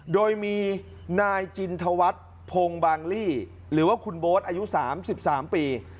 โดยมีนายจินทวัฒน์พงศ์บางลี่หรือว่าคุณโบ๊ทอายุ๓๓ปี